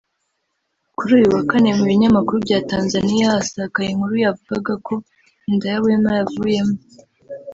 Kuri uyu wa Kane mu binyamakuru bya Tanzania hasakaye inkuru yavugaga ko inda ya Wema yavuyemo